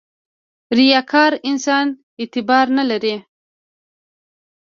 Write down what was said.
• ریاکار انسان اعتبار نه لري.